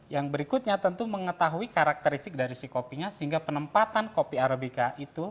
yang berikutnya tentu mengetahui karakteristik dari si kopinya sehingga penempatan kopi arabica itu